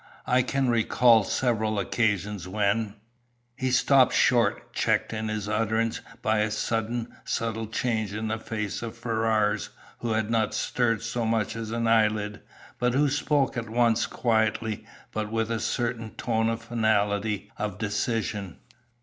I can recall several occasions when " He stopped short, checked in his utterance by a sudden, subtle change in the face of Ferrars, who had not stirred so much as an eyelid, but who spoke at once quietly, but with a certain tone of finality, of decision.